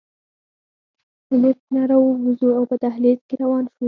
له لفټ نه راووځو او په دهلېز کې روان شو.